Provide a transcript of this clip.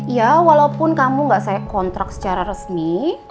ya walaupun kamu gak saya kontrak secara resmi